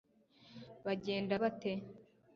bagenda bate